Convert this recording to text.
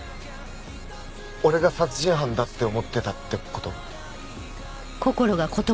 俺が殺人犯だって思ってたって事？